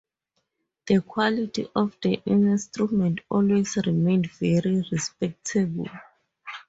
The quality of the instruments always remained very respectable.